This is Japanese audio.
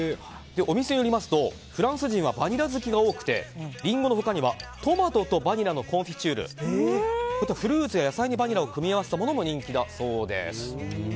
お店によりますとフランス人はバニラ好きが多くてリンゴの他にはトマトとバニラのコンフィチュールフルーツや野菜にバニラを組み合わせたものも人気だそうです。